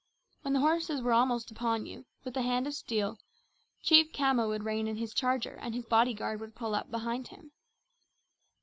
When the horses were almost upon you with a hand of steel chief Khama would rein in his charger and his bodyguard would pull up behind him.